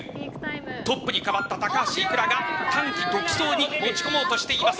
トップにかわった高橋いくらが短期独走に持ち込もうとしています。